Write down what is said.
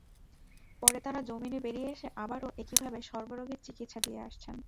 পরে তাঁরা জামিনে বেরিয়ে এসে আবারও একইভাবে সর্বরোগের চিকিৎসা দিয়ে আসছেন।